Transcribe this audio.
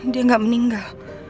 dia gak meninggal